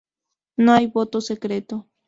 No hay voto secreto.